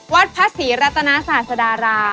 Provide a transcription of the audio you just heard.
วัดพระศรีรัตนาศาสดารา